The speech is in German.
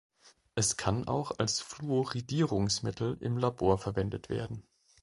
Es kann auch als Fluoridierungsmittel im Labor verwendet werden.